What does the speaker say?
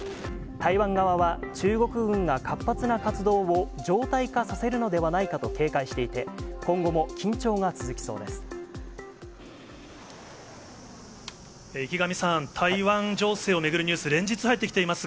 台湾側は、中国軍が活発な活動を常態化させるのではないかと警戒していて、今後も緊張が続きそうです。